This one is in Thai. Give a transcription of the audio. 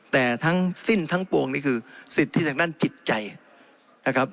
แต่ทั้งสิ้นทั้งปวงนี่คือสิทธิทางด้านจิตใจนะครับ